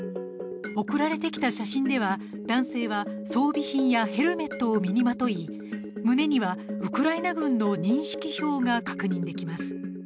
送られてきた写真では男性は装備品やヘルメットを身にまとい胸にはウクライナ軍の認識票が確認できます。